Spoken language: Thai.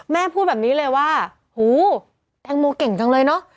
แม่พูดแบบนี้เลยว่าหูแตงโมเก่งจังเลยเนอะ